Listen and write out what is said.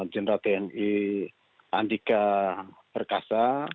jenderal tni andika perkasa